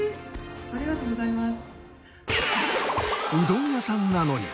ありがとうございます。